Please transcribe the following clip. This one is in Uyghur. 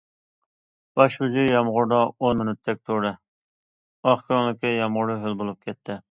باش شۇجى يامغۇردا ئون مىنۇتتەك تۇردى، ئاق كۆڭلىكى يامغۇردا ھۆل بولۇپ كەتتى.